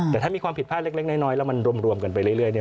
แต่ถ้ามีความผิดพลาดเล็กน้อยแล้วมันรวมกันไปเรื่อย